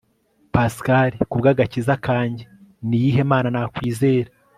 Pascal kubwagakiza kanjye niyihe mana nakwizera